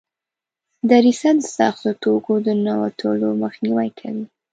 دریڅه د سختو توکو د ننوتلو مخنیوی کوي.